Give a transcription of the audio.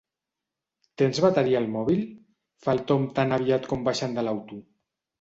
Tens bateria al mòbil? —fa el Tom tan aviat com baixen de l'auto—.